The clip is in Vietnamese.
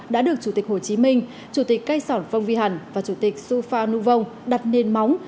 đã được chủ tịch hồ chí minh chủ tịch cai sỏn phong vy hẳn và chủ tịch su phan nhu vong đặt nền móng